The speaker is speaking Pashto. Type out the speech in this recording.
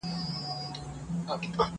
زه به اوږده موده موسيقي اورېدلې وم!.